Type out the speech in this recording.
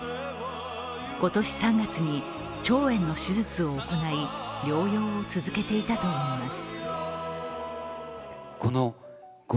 今年３月に腸炎の手術を行い療養を続けていたといいます。